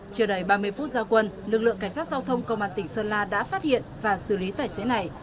chưa đầy ba mươi phút giao quân lực lượng cảnh sát giao thông công an tỉnh sơn la đã phát hiện và xử lý tài xế này